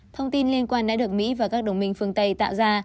thông tin liên quan đã được mỹ và các đồng minh phương tây tạo ra